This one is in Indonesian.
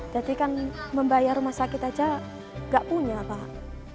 jadi kan membayar rumah sakit aja nggak punya pak